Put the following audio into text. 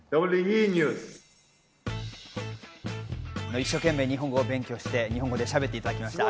一生懸命、日本語を勉強して、日本語でしゃべっていただきました。